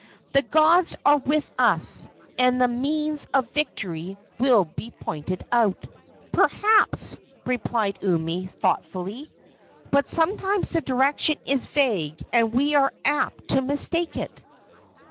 "The gods are with us, and the means of victory will be pointed out." "Perhaps," replied Umi, thoughtfully; "but sometimes the direction is vague and we are apt to mistake it.